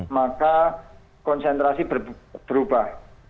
maka konsentrasi berubah